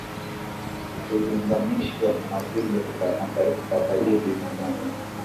vililinganishwa na vile vya mataifa tajiri duniani